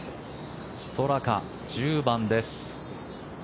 ストラカ、１０番です。